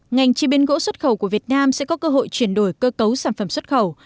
ngành chế biến gỗ xuất khẩu của việt nam sẽ có cơ hội chuyển đổi cơ cấu sản phẩm xuất khẩu